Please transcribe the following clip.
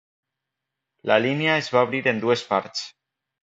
La línia es va obrir en dues parts.